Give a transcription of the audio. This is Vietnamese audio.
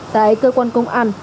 tại cơ quan công an